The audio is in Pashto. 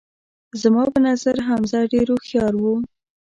زما په نظر حمزه ډیر هوښیار وو